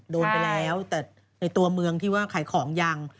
โดนไปแล้วแต่ในตัวเมืองที่ว่าขายของยัง